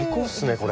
これ。